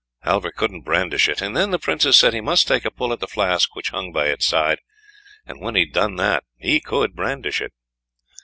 He couldn't brandish it, and then the Princess said he must take a pull at the flask which hung by its side, and when he had done that he could brandish it.